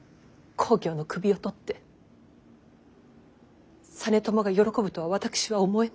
公暁の首を取って実朝が喜ぶとは私は思えない。